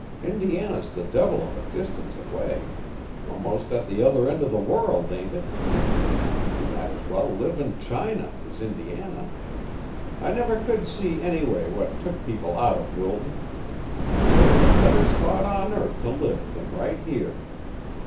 Indiana's the devil of a distance away 'most at the other end of the world, ain't it? You might as well live in China as Indiana. I never could see anyway what took people out of Wilton. There ain't a better spot on earth to live than right here.